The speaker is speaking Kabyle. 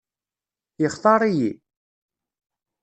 Yextaṛ-iyi?